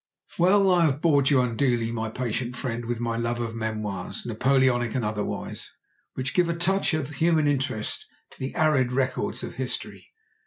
Well, I have bored you unduly, my patient friend, with my love of memoirs, Napoleonic and otherwise, which give a touch of human interest to the arid records of history.